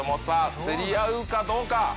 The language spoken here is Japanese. さあ競り合うかどうか？